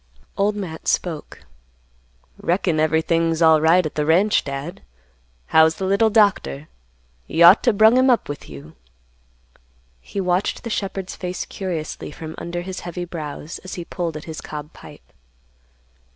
Old Matt spoke, "Reckon everything's alright at the ranch, Dad. How's the little doctor? You ought to brung him up with you." He watched the shepherd's face curiously from under his heavy brows, as he pulled at his cob pipe.